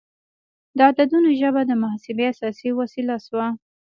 د عددونو ژبه د محاسبې اساسي وسیله شوه.